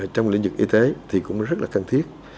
trong lĩnh vực y tế thì cũng rất là cần thiết